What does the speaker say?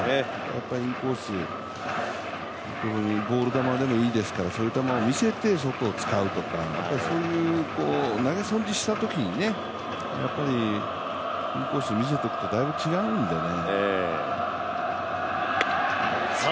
インコース、非常にボール球でもいいですからそういう球を見せて外を使うとか、そういう投げ損じしたときにインコースを見せておくとだいぶ違うんでね。